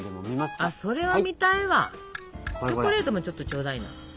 チョコレートもちょっとちょうだいな。